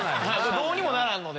どうにもならんので。